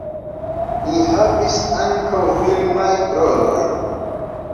Li havis ankaŭ filmajn rolojn.